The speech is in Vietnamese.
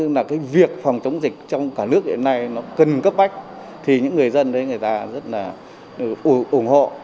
nên là cái việc phòng chống dịch trong cả nước hiện nay nó cần cấp bách thì những người dân đấy người ta rất là ủng hộ